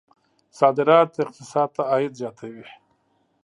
صادرات اقتصاد ته عاید زیاتوي.